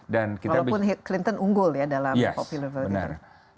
walaupun clinton unggul ya dalam popular vote itu